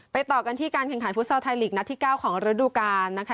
ต่อกันที่การแข่งขันฟุตซอลไทยลีกนัดที่๙ของฤดูกาลนะคะ